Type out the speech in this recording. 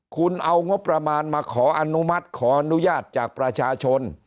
คุณเอางบประมาณมาขออนุมัติขออนุญาตจากประชาชน